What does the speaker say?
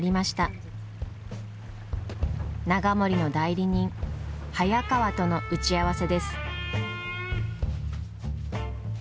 永守の代理人早川との打ち合わせです。